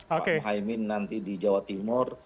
pak muhammad haimin nanti di jawa timur